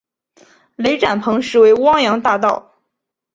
雷展鹏实为汪洋大盗。